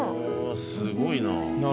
すごいな。